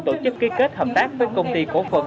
tổ chức ký kết hợp tác với công ty cổ phần